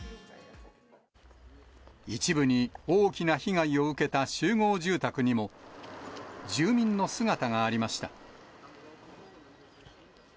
一部に大きな被害を受けた集合住宅にも、住民の姿がありました。